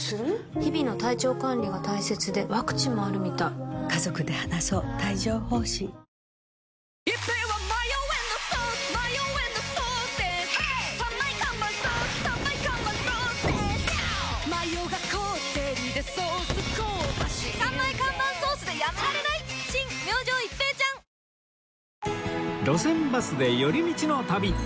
日々の体調管理が大切でワクチンもあるみたい『路線バスで寄り道の旅』